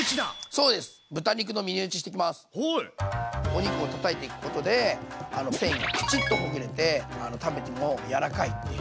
お肉をたたいていくことで繊維がきちっとほぐれて食べても柔らかいっていうのができちゃう。